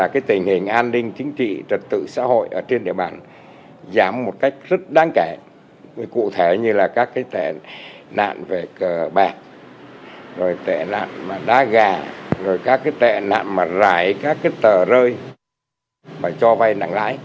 các tệ nạn mà rải các tờ rơi và cho vay nặng lãi